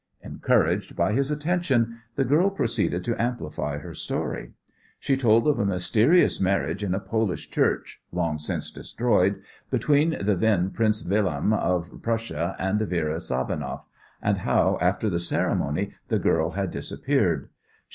Encouraged by his attention, the girl proceeded to amplify her story. She told of a mysterious marriage in a Polish church long since destroyed between the then Prince William of Prussia and Vera Savanoff, and how after the ceremony the girl had disappeared.